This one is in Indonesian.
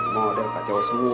model kacau semua